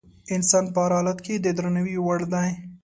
انسان په هر حال کې د درناوي وړ دی.